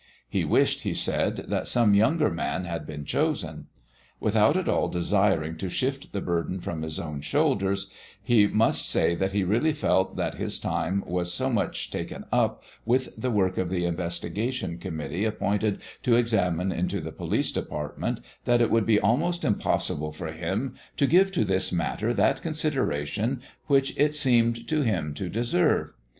He wished, he said, that some younger man had been chosen. Without at all desiring to shift the burden from his own shoulders, he must say that he really felt that his time was so much taken up with the work of the investigation committee appointed to examine into the police department that it would be almost impossible for him to give to this matter that consideration which it seemed to him to deserve.